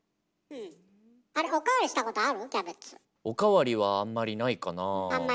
おかわりはあんまりないかなあ。